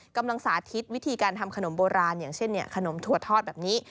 กำลังสาธิตวิธีการทำขนมโบราณอย่างเช่นขนมถั่วทอดแบบนี้